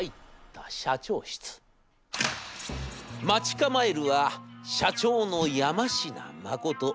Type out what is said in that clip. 待ち構えるは社長の山科誠。